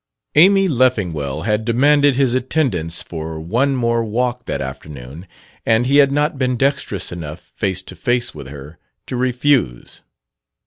Amy Leffingwell had demanded his attendance for one more walk, that afternoon, and he had not been dextrous enough, face to face with her, to refuse.